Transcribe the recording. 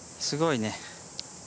すごいね。